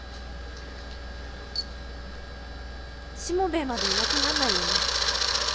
しもべえまでいなくなんないよね？